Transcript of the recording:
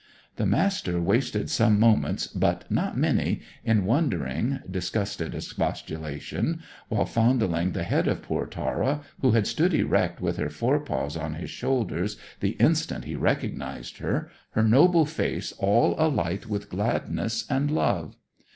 The Master wasted some moments, but not many, in wondering, disgusted expostulation, while fondling the head of poor Tara, who had stood erect with her fore paws on his shoulders the instant he recognized her, her noble face all alight with gladness and love.